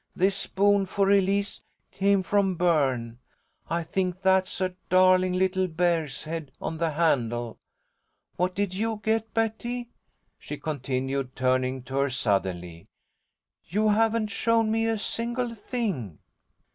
This spoon for Elise came from Berne. I think that's a darling little bear's head on the handle. What did you get, Betty?" she continued, turning to her suddenly. "You haven't shown me a single thing."